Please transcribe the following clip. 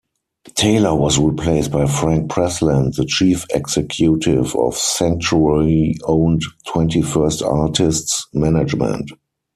Taylor was replaced by Frank Presland, the chief executive of Sanctuary-owned Twenty-First Artists Management.